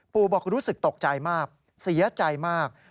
บอกรู้สึกตกใจมากเสียใจมาก